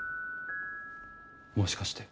もしかして。